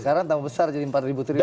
sekarang tambah besar jadi empat triliun